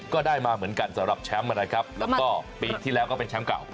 ก็ได้มาเหมือนกันสำหรับแชมป์นะครับแล้วก็ปีที่แล้วก็เป็นแชมป์เก่า